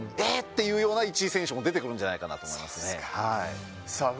ていうような１位選手も出てくるんじゃないかと思います。